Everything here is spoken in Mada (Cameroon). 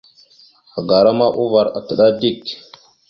Agara ma uvar ataɗá dik.